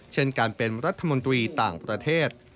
เช่นการเป็นรัฐมนตรีต่างประเทศ